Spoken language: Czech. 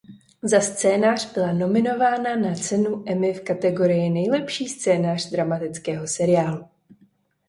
Za scénář byla nominována na cenu Emmy v kategorii nejlepší scénář dramatického seriálu.